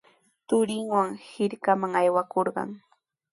Turinwan hirkaman aywakurqan.